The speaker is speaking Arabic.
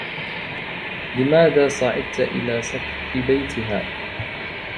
لماذا صعدت إلى سقف بيتها؟